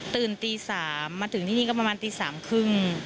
ตื่นตี๓มาถึงที่นี่ก็ประมาณตี๓๓๐